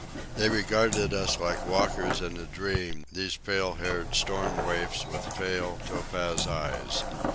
They regarded us like walkers in a dream, these pale haired storm waifs with pale, topaz eyes.